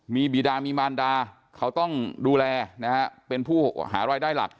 มีบีดามีมารดาเขาต้องดูแลนะฮะเป็นผู้หารายได้หลัก